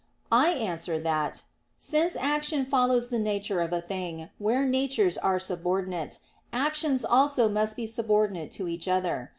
I answer that, Since action follows the nature of a thing, where natures are subordinate, actions also must be subordinate to each other.